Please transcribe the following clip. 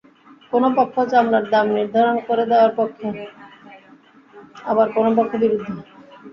কোনো পক্ষ চামড়ার দাম নির্ধারণ করে দেওয়ার পক্ষে, আবার কোনো পক্ষ বিরুদ্ধে।